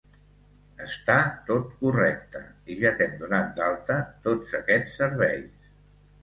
Està tot correcte, i ja t'hem donat d'alta tots aquests serveis.